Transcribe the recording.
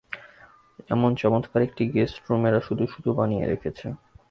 এমন চমৎকার একটি গেষ্টরুম এরা শুধু-শুধু বানিয়ে রেখেছে।